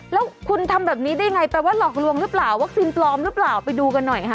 แล้วคุณทำแบบนี้ได้ไงแปลว่าหลอกลวงหรือเปล่าวัคซีนปลอมหรือเปล่าไปดูกันหน่อยค่ะ